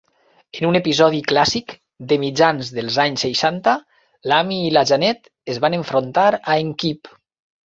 En un episodi clàssic de mitjans dels anys seixanta, l'Amy i la Janet es van enfrontar a en Kip.